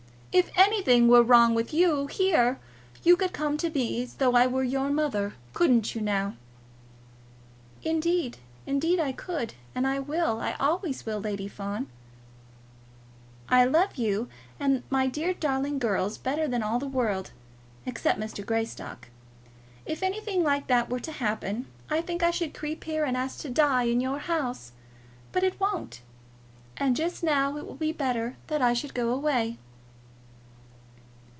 If anything were wrong with you here, you could come to me as though I were your mother. Couldn't you, now?" "Indeed, indeed I could! And I will; I always will. Lady Fawn, I love you and the dear darling girls better than all the world except Mr. Greystock. If anything like that were to happen, I think I should creep here and ask to die in your house. But it won't. And just now it will be better that I should go away."